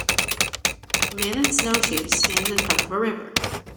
A man in snowshoes stands in front of a river.